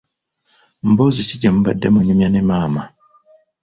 Mboozi ki gye mubadde munyumya ne maama?